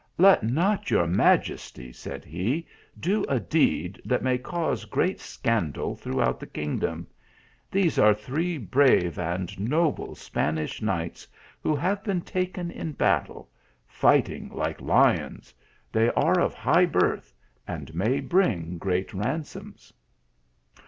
" Let not your majesty," said he, " do a deed that may cause great scandal throughout the kingdom. These are three brave and noble Spanish knights who have been taken in battle, fighting like lions ; they are of high birth, and may bring great ransoms."